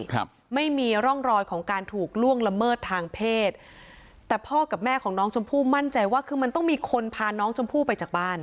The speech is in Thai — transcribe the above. ครับไม่มีร่องรอยของการถูกล่วงละเมิดทางเพศแต่พ่อกับแม่ของน้องชมพู่มั่นใจว่าคือมันต้องมีคนพาน้องชมพู่ไปจากบ้าน